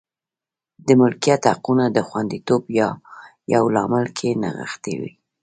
د ملکیت حقونو د خوندیتوب یو لامل په کې نغښتې وې.